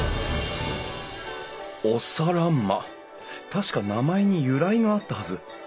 確か名前に由来があったはず。